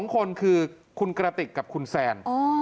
๒คนคือคุณกระติกกับคุณแซน